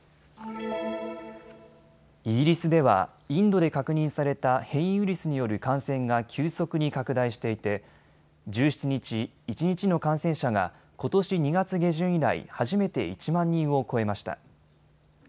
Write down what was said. イギリスではインドで確認された変異ウイルスによる感染が急速に拡大していて１７日、一日の感染者がことし２月下旬以来初めて１万人を超えました。